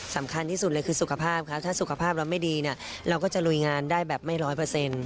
สำคัญที่สุดเลยคือสุขภาพค่ะถ้าสุขภาพเราไม่ดีเนี่ยเราก็จะลุยงานได้แบบไม่ร้อยเปอร์เซ็นต์